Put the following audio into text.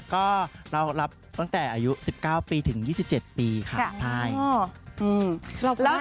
ก็เรารับตั้งแต่อายุ๑๙ปีถึง๒๗ปีค่ะใช่